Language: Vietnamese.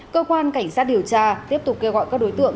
cơ quan cảnh sát điều tra tiếp tục kêu gọi các đối tượng